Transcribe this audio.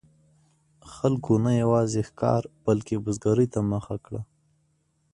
خلکو نه یوازې ښکار، بلکې د بزګرۍ ته مخه کړه.